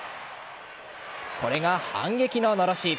これが反撃ののろし。